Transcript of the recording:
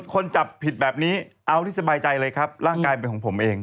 คนจับผิดแบบนี้เอาที่สบายใจเลยครับร่างกายเป็นของผมเอง